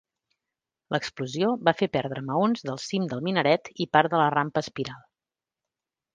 L'explosió va fer perdre maons del cim del minaret i part de la rampa espiral.